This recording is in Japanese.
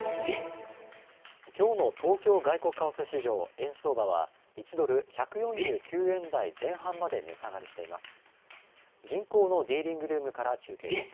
きょうの東京外国為替市場、円相場は１ドル１４９円台前半まで値下がりしています。